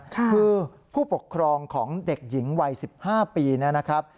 คือผู้ปกครองของเด็กหญิงวัย๑๕ปีนะครับ